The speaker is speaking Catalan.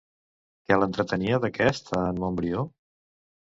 Què l'entretenia d'aquest a en Montbrió?